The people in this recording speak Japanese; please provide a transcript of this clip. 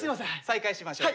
再開しましょう。